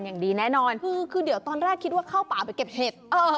อย่างดีแน่นอนคือคือเดี๋ยวตอนแรกคิดว่าเข้าป่าไปเก็บเห็ด